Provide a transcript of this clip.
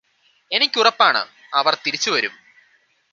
എനിക്കുറപ്പാണ് അവര് തിരിച്ചു വരും